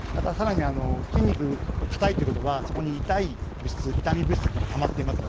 筋肉が硬いということはそこに痛み物質がたまっています。